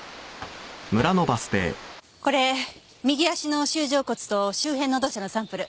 これ右足の舟状骨と周辺の土砂のサンプル。